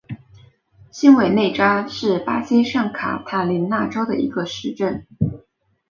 新韦内扎是巴西圣卡塔琳娜州的一个市镇。